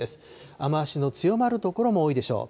雨足の強まる所も多いでしょう。